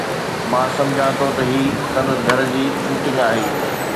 مان سمجهان ٿو ته هي سندس گهر جي شوٽنگ آهي